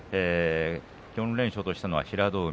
４連勝としたのは平戸海